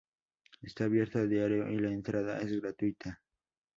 Está abierto a diario y la entrada es gratuita.